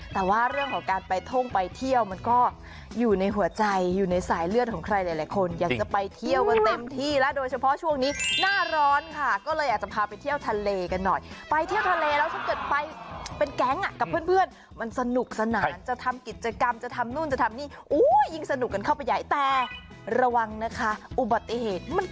แต่ว่าเรื่องของการไปท่งไปเที่ยวมันก็อยู่ในหัวใจอยู่ในสายเลือดของใครหลายคนอยากจะไปเที่ยวกันเต็มที่แล้วโดยเฉพาะช่วงนี้หน้าร้อนค่ะก็เลยอยากจะพาไปเที่ยวทะเลกันหน่อยไปเที่ยวทะเลแล้วถ้าเกิดไปเป็นแก๊งอ่ะกับเพื่อนมันสนุกสนานจะทำกิจกรรมจะทำนู่นจะทำนี่อุ้ยยิ่งสนุกกันเข้าไปใหญ่แต่ระวังนะคะอุบัติเหตุมัน